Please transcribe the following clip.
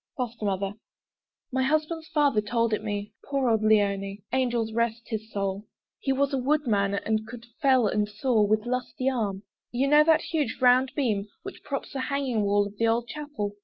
FOSTER MOTHER My husband's father told it me, Poor old Leoni! Angels rest his soul! He was a woodman, and could fell and saw With lusty arm. You know that huge round beam Which props the hanging wall of the old chapel?